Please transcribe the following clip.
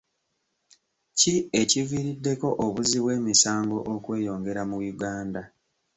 Ki ekiviiriddeko obuzzi bw'emisango okweyongera mu Uganda?